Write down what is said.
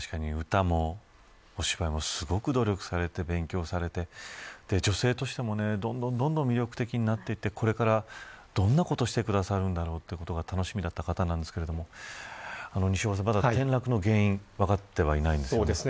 確かに、歌もお芝居もすごく努力されて、勉強されて女性としてもどんどん魅力的になっていってこれから、どんなことをしてくださるんだろうということが楽しみだった方なんですが西岡さん、まだ転落の原因分かってはいないんですね。